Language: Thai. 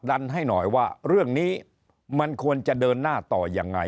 ให้หน่อยว่าเรื่องนี้มันควรจะเดินหน้าต่อยังไง